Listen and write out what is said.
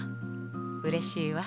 うれしいわ。